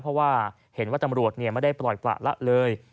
เพราะว่าเห็นว่าตำรวจไม่ได้ปล่อยประละเลย